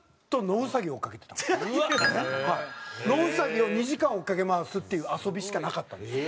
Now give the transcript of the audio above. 野ウサギを２時間追っかけ回すっていう遊びしかなかったんですよ。